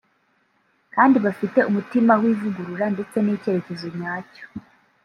kandi bafite umutima w’ivugurura ndetse n’icyerekezo nyacyo